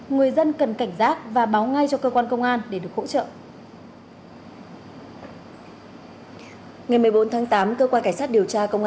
người dân cần cảnh giác và báo ngay cho cơ quan công an để được hỗ trợ